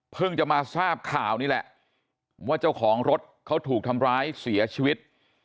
จะมาทราบข่าวนี่แหละว่าเจ้าของรถเขาถูกทำร้ายเสียชีวิต